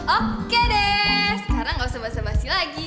oke deh sekarang gak usah bawa bawa si lagi